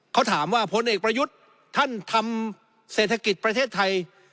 เขาถามว่าพลเอกประยุทธ์ท่านทำเศรษฐกิจประเทศไทย